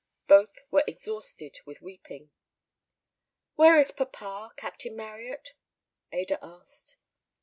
Both were exhausted with weeping. "Where is papa, Captain Marryat?" Ada asked.